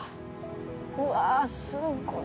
うわあすごい！